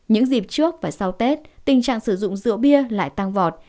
những dịp trước và sau tết tình trạng sử dụng rượu bia lại tăng vọt